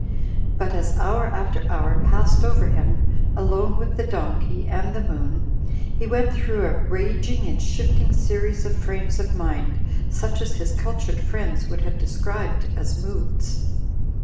But as hour after hour passed over him, alone with the donkey and the moon, he went through a raging and shifting series of frames of mind, such as his cultured friends would have described as moods.